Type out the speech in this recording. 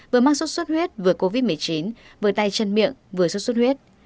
vừa mắc xuất xuất huyết vừa covid một mươi chín vừa tay chân miệng vừa xuất xuất huyết